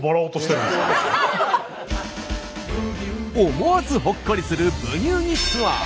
思わずほっこりする「ブギウギ」ツアー。